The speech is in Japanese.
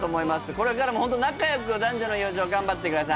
これからもホント仲良く男女の友情頑張ってください